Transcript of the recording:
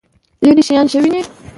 لرې شیان ښه وینئ؟